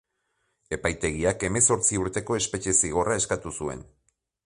Epaitegiak Hemezortzi urteko espetxe zigorra eskatu zuen.